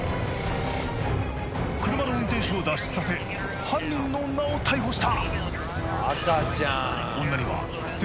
車の運転手を脱出させ犯人の女を逮捕した！